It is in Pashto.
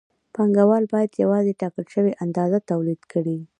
پانګوال باید یوازې ټاکل شوې اندازه تولید کړي